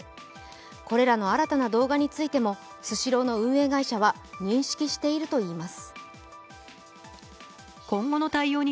これらの新たな動画についてもスシローの運営会社は認識しているといいます。